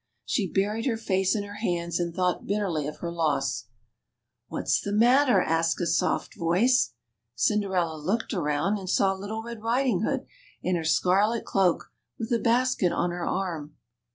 She buried her face in her hands, and thought bitterly of her loss. What's the matter?" asked a soft voice. Cinderella looked around and saw Little Red Riding hood, in her scarlet cloak, with a basket on her arm.